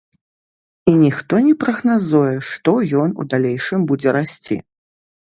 І ніхто не прагназуе, што ён у далейшым будзе расці.